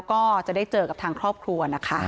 เครียดทั้งครอบครัว